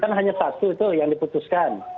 kan hanya satu itu yang diputuskan